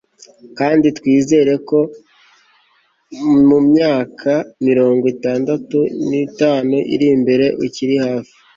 kandi twizere ko mumyaka mirongo itandatu nitanu iri imbere ukiri hafi